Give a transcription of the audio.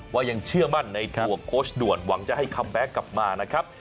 ยังเชื่อมั่นในตัวโค้ชด่วนหวังจะให้คัมแบ็คกลับมานะครับ